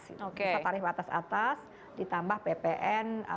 bisa tarif batas atas ditambah ppn